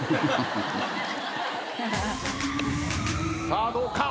さあどうか？